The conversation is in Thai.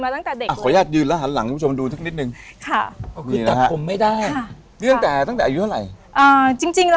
ตั้งแต่อายุเท่าไหร่